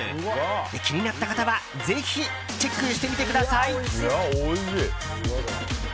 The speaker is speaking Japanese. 気になった方はぜひチェックしてみてください。